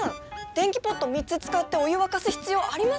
電気ポット３つ使ってお湯沸かす必要あります？